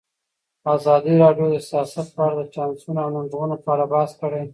ازادي راډیو د سیاست په اړه د چانسونو او ننګونو په اړه بحث کړی.